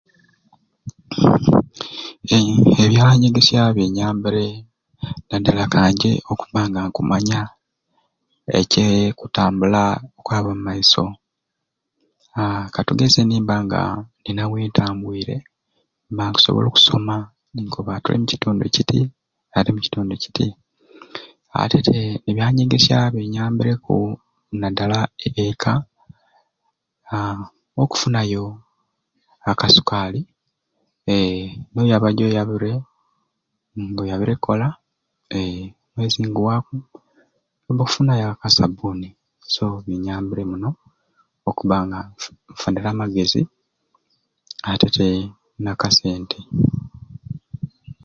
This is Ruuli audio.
Eee ebyanyegesya binyambire nadala ka nje okubba nga nkumanya ekyee-kutambula okwaba omu maiso aaa kakatugeze nimba nga aaa nina wentambuliire mba nkusobola okusoma ni nkoba nti tuli mu kitundu kiti oba mu kitundu kiti atete ebyanyegesya binyambireku nadala eka aaa okufunayo akasukaali eee noyaba gyoyabire ng'oyabire kukola eee omwezi niguwaaku obba okufunayo akasabbuuni so binyambire muno okubba nga nfu nfunire amagezi atete n'akasente.